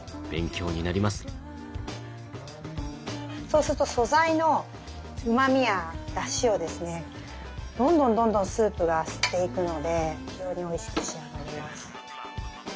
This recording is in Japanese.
そうすると素材のうまみやだしをですねどんどんどんどんスープが吸っていくので非常においしく仕上がります。